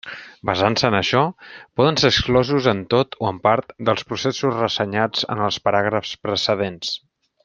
Basant-se en això, poden ser exclosos en tot o en part dels processos ressenyats en els paràgrafs precedents.